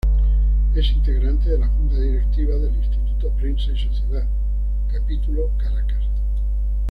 Es integrante de la junta directiva del Instituto Prensa y Sociedad, capítulo Caracas.